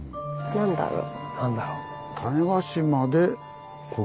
何だろう？